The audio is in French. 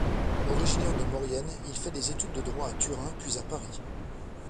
Originaire de Maurienne, il fait des études de droit à Turin puis à Paris.